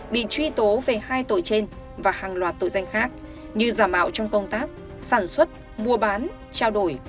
bị truy tố về hai tội trên và hàng loạt tội danh khác như giả mạo trong công tác sản xuất mua bán trao đổi